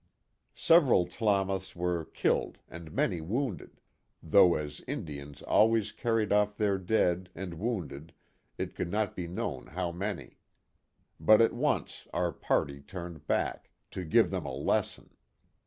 Several Tlamaths were killed and many wounded, though as Indians always carry off their dead and wounded it could not be known how many. But at once our party turned back " to give them a lesson."